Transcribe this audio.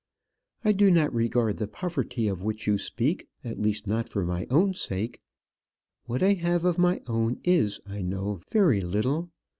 I do not regard the poverty of which you speak, at least not for my own sake. What I have of my own is, I know, very little.